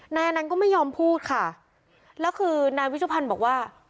นายอนันต์ก็ไม่ยอมพูดค่ะแล้วคือนายวิชุพันธ์บอกว่า